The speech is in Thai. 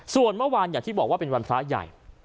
ส่วนเมื่อวานอย่างที่บอกว่าเป็นวันพระใหญ่